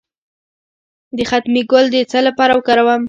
د ختمي ګل د څه لپاره وکاروم؟